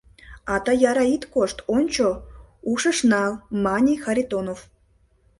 — А тый яра ит кошт, ончо, ушыш нал, — мане Харитонов.